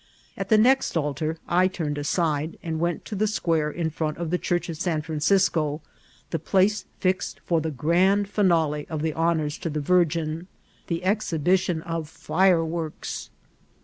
At the next altar I turned aside and went to the square in front of the Church of San Francisco, the place fixed for the grand finale of the honours to the Virgin, the exhibition of fireworks